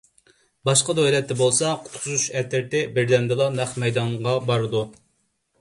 باشقا دۆلەتتە بولسا قۇتقۇزۇش ئەترىتى بىردەمدىلا نەق مەيدانغا بارىدۇ.